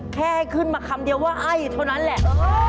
แค่ขึ้นมาคำเดียวว่าไอ้เท่านั้นแหละ